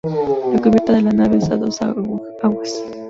La cubierta de la nave es a dos aguas.